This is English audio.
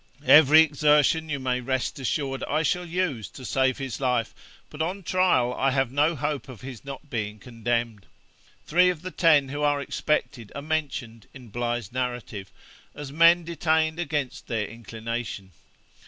Every exertion, you may rest assured, I shall use to save his life, but on trial I have no hope of his not being condemned. Three of the ten who are expected are mentioned, in Bligh's narrative, as men detained against their inclination.